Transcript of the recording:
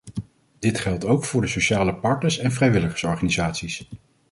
Dit geldt ook voor de sociale partners en vrijwilligersorganisaties.